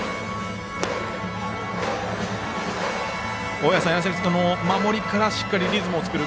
大矢さん、守りからしっかりリズムを作る。